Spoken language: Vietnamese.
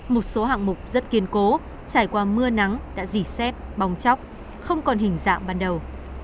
một số hạng mục rất kiên cố trải qua mưa nắng đã dỉ xét bong chóc không còn hình dạng ban đầu